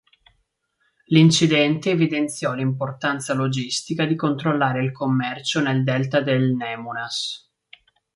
L'incidente evidenziò l'importanza logistica di controllare il commercio nel delta del Nemunas.